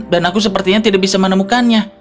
dan aku sepertinya tidak bisa menemukannya